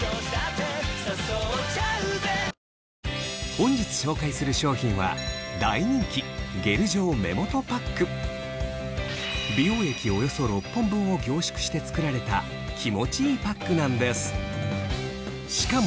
本日紹介する商品は大人気ゲル状目元パック美容液およそ６本分を凝縮して作られた気持ちいいパックなんです